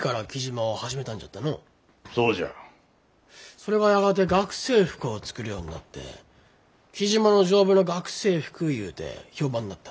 それがやがて学生服を作るようになって雉真の丈夫な学生服いうて評判になった。